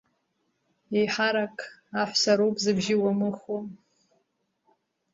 Еиҳарак аҳәса роуп зыбжьы уамыхәо.